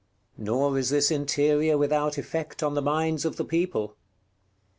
§ XIX. Nor is this interior without effect on the minds of the people.